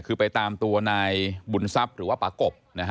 คือไปตามตัวนายบุญทรัพย์หรือว่าป๊ากบ